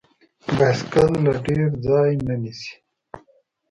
بایسکل له ډیر ځای نه نیسي.